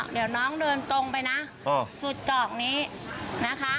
เดี๋ยวน้องเดินตรงไปนะสุดจอกนี้นะคะ